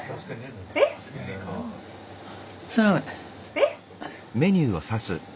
えっ？